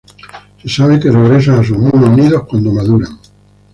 Se sabe que regresan a sus mismos nidos cuando maduran.